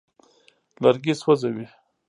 لرګي سوځوي.